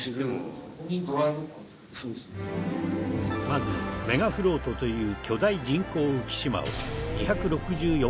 まずメガフロートという巨大人工浮島を２６４カ所に設置。